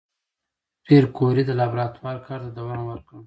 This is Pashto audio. پېیر کوري د لابراتوار کار ته دوام ورکړ.